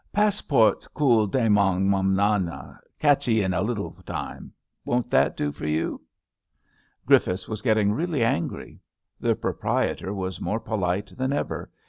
Passport kid demang manana — catchee in a little time. Won't that do for you? *' Griffiths was getting really angry. The pro prietor was more polite than ever.